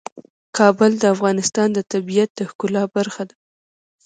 کابل د افغانستان د طبیعت د ښکلا برخه ده.